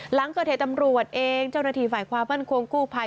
หลังเกิดเหตุตำรวจเองเจ้าหน้าที่ฝ่ายความมั่นคงกู้ภัย